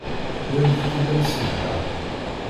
Walit-t-id am semḥeɣ.